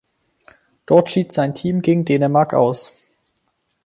Dort schied sein Team gegen Dänemark aus.